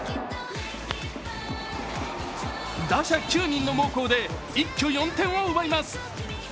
打者９人の猛攻で一挙４点を奪います。